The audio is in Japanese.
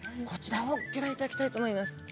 こちらをギョ覧いただきたいと思います。